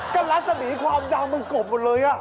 ก็รัศมีความยาวมันกบหมดเลย